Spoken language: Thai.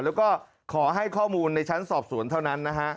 แล้วก็ขอให้ข้อมูลในชั้นสอบสวนเท่านั้นนะฮะ